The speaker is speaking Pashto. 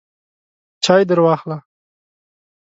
چای درواخله !